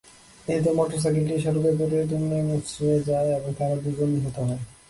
এতে মোটরসাইকেলটি সড়কে পড়ে দুমড়ে-মুচড়ে যায় এবং তাঁরা দুজন নিহত হন।